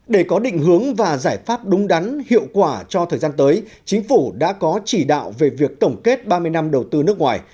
để có định hướng và giải pháp đúng đắn hiệu quả cho thời gian tới chính phủ đã có chỉ đạo về việc tổng kết ba mươi năm đầu tư nước ngoài